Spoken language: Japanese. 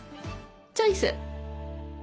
チョイス！